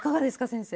先生。